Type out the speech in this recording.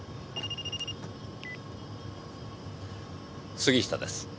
杉下です。